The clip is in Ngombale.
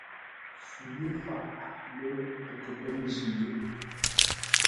Fu yé faʼ, lə́ pə́ kə́ jí yé.